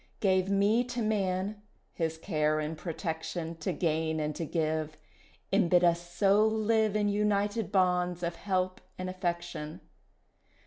Gave me to Man, his care and protection To gain and to give, And bid us so live In united bonds of help and affection.